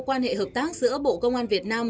quan hệ hợp tác giữa bộ công an việt nam